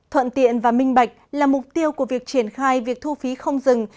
thuận tiện và minh bạch là mục tiêu của việc triển khai việc thu phí không dừng